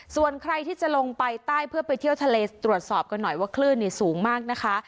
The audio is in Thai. ส่วนใครที่จะลงไปใต้เพื่อไปเที่ยวทะเลตรวจสอบกันหน่อยว่าคลื่นสูงมากนะคะ